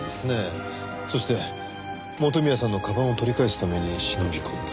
そして元宮さんの鞄を取り返すために忍び込んだ。